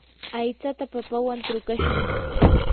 aytsata papawan trukashun.